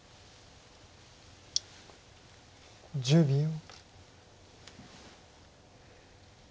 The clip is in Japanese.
１０秒。